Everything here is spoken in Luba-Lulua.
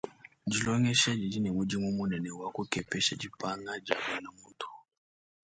Dilongesha didi ne mudimu munene wa kukepesha dipanga dia buena muntu.